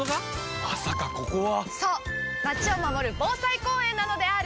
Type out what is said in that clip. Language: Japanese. そうまちを守る防災公園なのであーる！